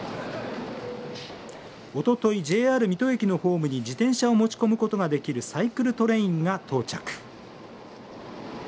おととい、ＪＲ水戸駅のホームに自転車を持ち込むことができるサイクルトレインが到着。